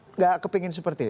tidak kepingin seperti itu